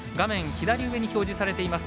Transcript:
左上に表示されています